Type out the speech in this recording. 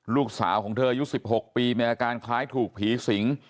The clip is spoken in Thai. ลูกสาวของเธออายุ๑๖ปีมีอาการคล้ายถูกผีสิง